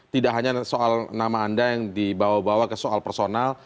tidak hanya soal nama anda yang dibawa bawa ke soal personal